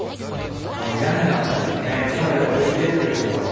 この屋根の辺りがね草で生い茂ってるところ。